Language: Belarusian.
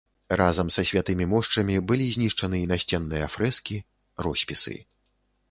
Разам са святымі мошчамі былі знішчаны і насценныя фрэскі, роспісы.